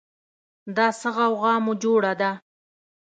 دا څه غوغا مو جوړه ده